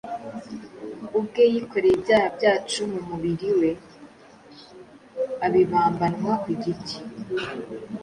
ubwe yikoreye ibyaha byacu mu mubiri we, abibambanwa ku giti;